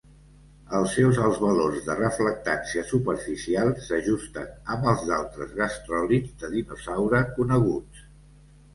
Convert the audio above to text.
Els seus alts valors de reflectància superficial s'ajusten amb els d'altres gastròlits de dinosaure coneguts.